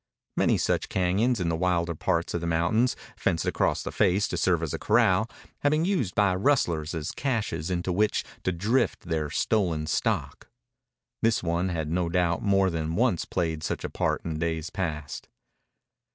Many such cañons in the wilder part of the mountains, fenced across the face to serve as a corral, had been used by rustlers as caches into which to drift their stolen stock. This one had no doubt more than once played such a part in days past.